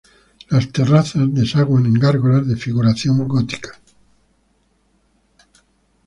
Las terrazas desaguan en gárgolas de figuración gótica.